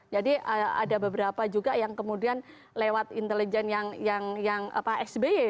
jadi ada beberapa juga yang kemudian lewat intelijen yang sby